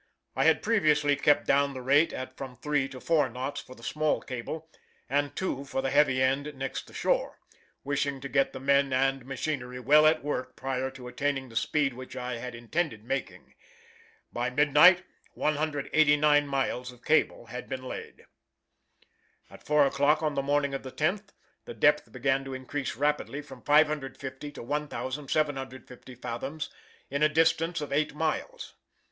I had previously kept down the rate at from three to four knots for the small cable, and two for the heavy end next the shore, wishing to get the men and machinery well at work prior to attaining the speed which I had intended making. By midnight 189 miles of cable had been laid. At four o'clock on the morning of the 10th the depth began to increase rapidly from 550 to 1,750 fathoms in a distance of eight miles.